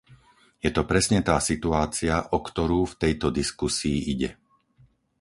Je to presne tá situácia, o ktorú v tejto diskusii ide.